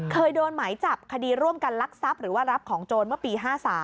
เคยโดนหมายจับคดีร่วมกันลักทรัพย์หรือว่ารับของโจรเมื่อปี๕๓